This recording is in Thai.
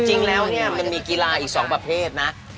จริงแล้วเนี่ยมันมีกีฬาอีก๒ประเภทนะ